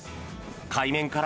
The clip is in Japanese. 海面から